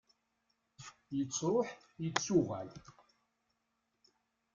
yettruḥ yettuɣal